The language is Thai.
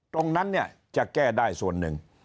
ตรงนั้นจะแก้ได้ส่วนหนึ่ง